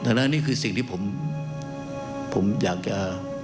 เพราะฉะนั้นนี่คือสิ่งที่ผมอยากจะ